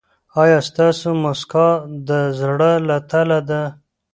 ایا ستاسو مسکا د زړه له تله ده؟